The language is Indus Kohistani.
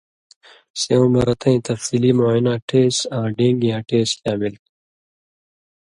سېوں مہ رتَیں تفصیلی معائناں ٹېس آں ڈېن٘گی یاں ٹېس شامل تھو۔